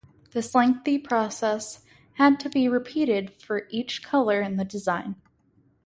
This lengthy process had to be repeated for each color in the design.